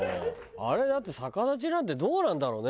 あれだって逆立ちなんてどうなんだろうね？